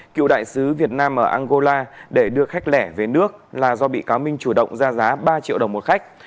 cựu đại sứ việt nam ở angola để đưa khách lẻ về nước là do bị cáo minh chủ động ra giá ba triệu đồng một khách